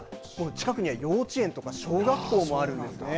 近くには幼稚園とか小学校もあるんですね。